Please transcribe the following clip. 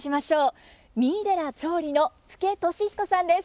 三井寺長吏の福家俊彦さんです。